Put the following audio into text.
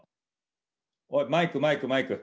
おいマイクマイクマイク！